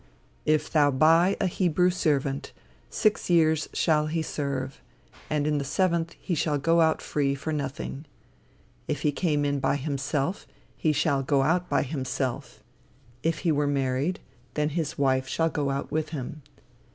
"If thou buy a Hebrew servant, six years shall he serve: and in the seventh he shall go out free for nothing. If he came in by himself, he shall go out by himself: if he were married, then his wife shall go out with him.